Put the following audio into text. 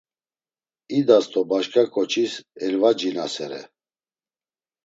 İdas do başǩa ǩoçis elvacinasere.